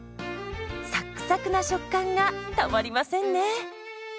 サックサクな食感がたまりませんね。